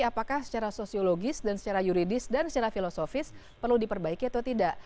apakah secara sosiologis dan secara yuridis dan secara filosofis perlu diperbaiki atau tidak